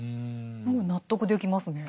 納得できますね。